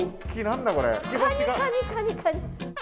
カニカニカニカニ。